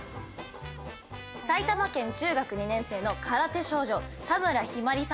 埼玉県中学２年生の空手少女。